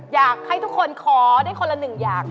อยากให้ทุกคนขอได้คนละหนึ่งอย่าง